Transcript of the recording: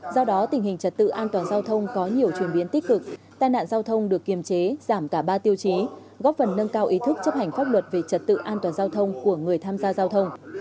do đó tình hình trật tự an toàn giao thông có nhiều chuyển biến tích cực tai nạn giao thông được kiềm chế giảm cả ba tiêu chí góp phần nâng cao ý thức chấp hành pháp luật về trật tự an toàn giao thông của người tham gia giao thông